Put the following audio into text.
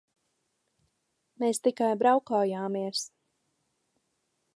Mēs tikai braukājāmies.